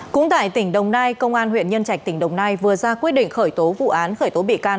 cũng tại tỉnh đồng nai công an huyện nhân trạch tỉnh đồng nai vừa ra quyết định khởi tố vụ án khởi tố bị can